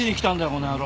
この野郎。